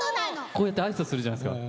こうやって挨拶するじゃないですか。